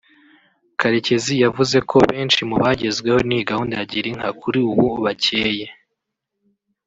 Karekezi yavuze ko benshi mubagezweho n’iyi gahunda ya Girinka kuri ubu bakeye